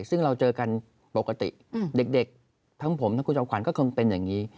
ซึ่งเราเจอกันปกติเด็กทั้งผมทั้งคุณจอมขวัญก็คงเป็นอย่างนี้